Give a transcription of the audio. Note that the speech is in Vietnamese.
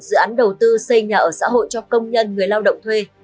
dự án đầu tư xây nhà ở xã hội cho công nhân người lao động thuê